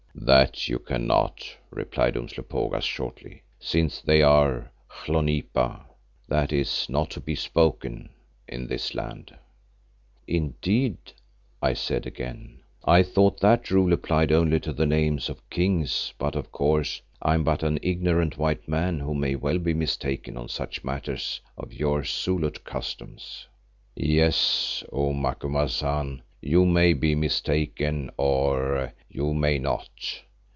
"That you cannot," replied Umslopogaas shortly, "since they are hlonipa (i.e. not to be spoken) in this land." "Indeed," I said again. "I thought that rule applied only to the names of kings, but of course I am but an ignorant white man who may well be mistaken on such matters of your Zulu customs." "Yes, O Macumazahn, you may be mistaken or—you may not.